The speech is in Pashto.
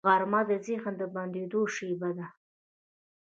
غرمه د ذهن د بندېدو شیبه ده